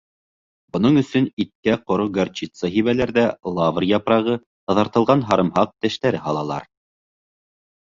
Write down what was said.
Бының өсөн иткә ҡоро горчица һибәләр ҙә лавр япрағы, таҙартылған һарымһаҡ тештәре һалалар.